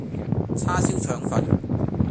叉燒腸粉